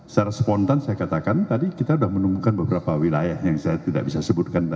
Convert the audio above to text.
secara spontan saya katakan tadi kita sudah menemukan beberapa wilayah yang saya tidak bisa sebutkan